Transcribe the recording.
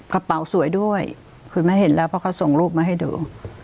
กระเป๋าสวยด้วยคุณแม่เห็นแล้วเพราะเขาส่งรูปมาให้ดู